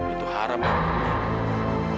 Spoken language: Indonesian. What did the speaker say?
itu haram pak